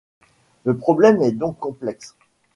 Le problème est donc complexe.